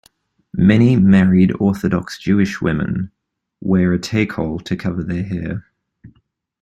Many married Orthodox Jewish women wear a tichel to cover their hair.